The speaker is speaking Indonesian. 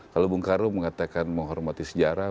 kalau bung karno mengatakan menghormati sejarah